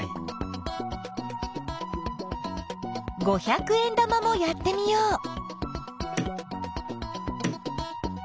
五百円玉もやってみよう。